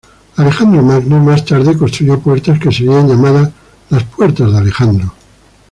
Alejandro Magno más tarde construyó puertas que serían llamadas las "Puertas de Alejandro".